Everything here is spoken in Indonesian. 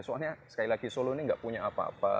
soalnya sekali lagi solo ini nggak punya apa apa